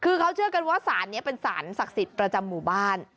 คือเขาเชื่อกันว่าสารนี้เป็นสารศักดิ์สิทธิ์ประจำหมู่บ้าน